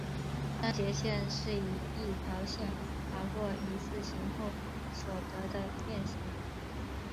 删节线是以一条线划过一字形后所得的变型。